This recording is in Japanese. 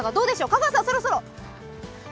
香川さん、そろそろ。